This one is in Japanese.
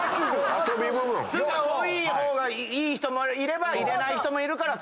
酢が多い方がいい人もいれば入れない人もいるから。